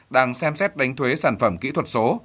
đang xem xét đánh thuế sản phẩm kỹ thuật số